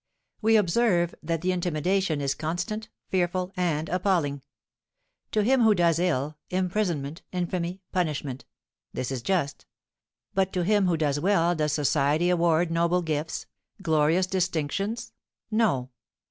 We observe that the intimidation is constant, fearful, and appalling. To him who does ill, imprisonment, infamy, punishment. This is just. But to him who does well does society award noble gifts, glorious distinctions? No.